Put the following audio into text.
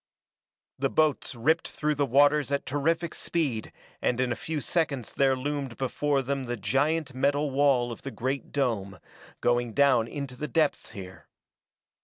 The boats ripped through the waters at terrific speed and in a few seconds there loomed before them the giant metal wall of the great dome, going down into the depths here.